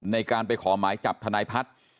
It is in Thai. ในการไปขอหมายจับทนายพัฒน์